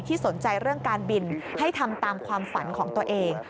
สนใจเรื่องการบินให้ทำตามความฝันของตัวเอง